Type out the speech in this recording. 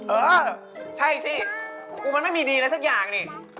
เออใช่สิกูมันไม่มีดีอะไรสักอย่างนี่